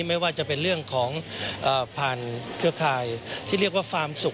ไม่ว่าจะเป็นเรื่องของผ่านเครือข่ายที่เรียกว่าฟาร์มสุข